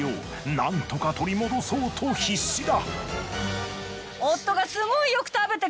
なんとか取り戻そうと必死だ。